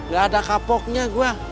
gak ada kapoknya gue